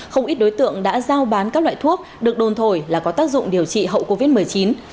không ít đối tượng đã giao bán các loại thuốc được đồn thổi là có tác dụng điều trị hậu covid một mươi chín